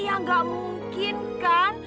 ya gak mungkin kan